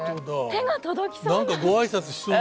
手が届きそうな。